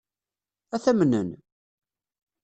Ad t-amnen?